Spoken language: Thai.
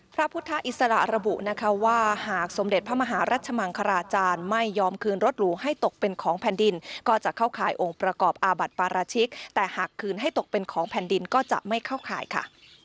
พระพุทธอิสระระบุนะคะว่าหากสมเด็จพระมหารัชมังคลาจารย์ไม่ยอมคืนรถหรูให้ตกเป็นของแผ่นดินก็จะเข้าข่ายองค์ประกอบอาบัติปราชิกแต่หากคืนให้ตกเป็นของแผ่นดินก็จะไม่เข้าข่ายค่ะ